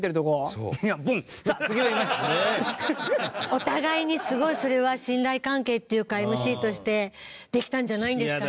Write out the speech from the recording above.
お互いにすごいそれは信頼関係っていうかＭＣとしてできたんじゃないんですかね。